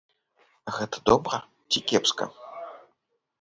Гэта добра ці кепска?